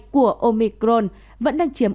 của omicron vẫn đang chiếm